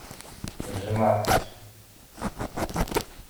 Jemɛet-t.